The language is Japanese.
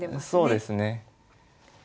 そうですね。